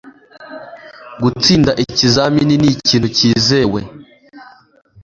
Gutsinda ikizamini ni ikintu cyizewe.